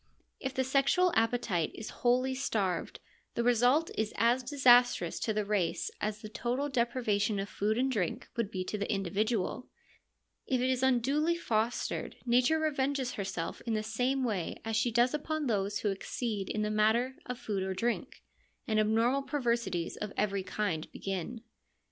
If the sexual appetite is wholly starved, 28 THE LYRIC POETS 29 the result is as disastrous to the race as the total deprivation of food and drink would be to the in dividual : if it is unduly fostered, Nature revenges herself in the same way as she does upon those who exceed in the matter of food or drink, and abnormal perversities of every kind begin.